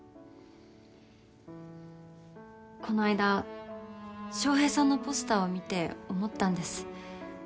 この間翔平さんのポスターを見て思ったんです。